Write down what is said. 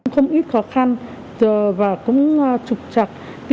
không ít khó khăn và cũng trục trặc